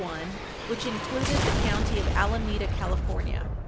1, which included the County of Alameda, California.